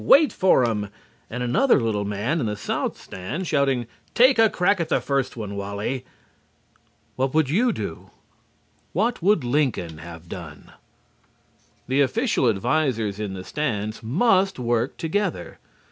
Wait for 'em," and another little man in the south stand shouting "Take a crack at the first one, Wally!"? What would you do? What would Lincoln have done? The official advisers in the stands must work together.